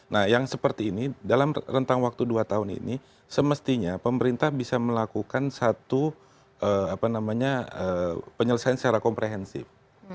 nah yang seperti ini dalam rentang waktu dua tahun ini semestinya pemerintah bisa melakukan satu penyelesaian secara komprehensif